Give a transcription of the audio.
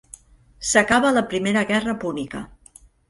S'acaba la Primera Guerra Púnica.